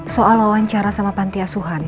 soal wawancara sama pantiasuhan